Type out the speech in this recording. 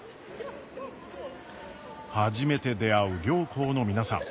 初めて出会う両校の皆さん。